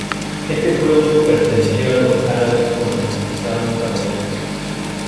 Este pueblo perteneció a los árabes cuando conquistaron Carboneras.